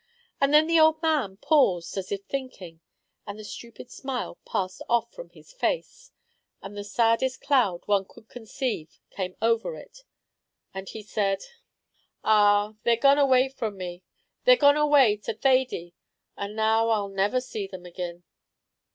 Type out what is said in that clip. And then the old man paused as if thinking, and the stupid smile passed off from his face, and the saddest cloud one could conceive came over it, and he said, "Ah, they're gone away from me; they're gone away to Thady, and now I'll never see them agin."